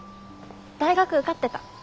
大学受かってた。